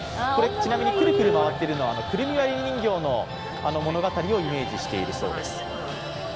ちなみにくるくる回ってるのはくるみ割り人形の物語をイメージしているそうです。